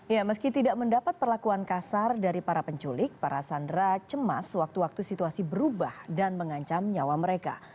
ya meski tidak mendapat perlakuan kasar dari para penculik para sandera cemas waktu waktu situasi berubah dan mengancam nyawa mereka